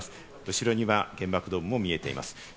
後ろには原爆ドームも見えています。